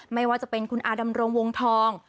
ไม่ว่าจะเป็นคุณอาดำรงวงทอง